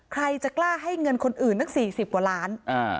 ใครจะกล้าให้เงินคนอื่นตั้ง๔๐กว่าล้าน